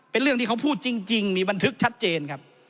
เป็นเรื่องที่เขาพูดจริงมีบันทึกชัดเจนครับ